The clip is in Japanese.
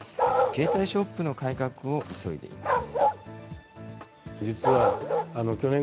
携帯ショップの改革を急いでいます。